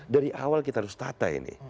dari awal kita harus tata ini